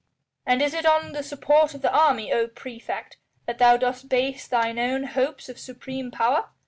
"And is it on the support of the army, O praefect! that thou dost base thine own hopes of supreme power?"